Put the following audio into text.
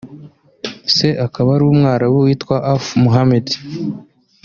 se akaba ari umwarabu witwa Affu Mohamed